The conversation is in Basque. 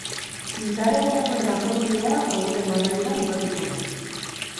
Indarrean dagoen akordioa aurtengo amaieran bukatuko da.